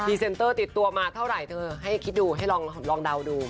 เซ็นเตอร์ติดตัวมาเท่าไหร่เธอให้คิดดูให้ลองเดาดู